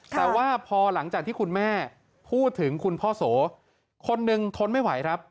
แต่ว่าพอหลังจากที่คุณแม่พูดถึงคุณพ่อโสคนหนึ่งทนไม่ไหวครับ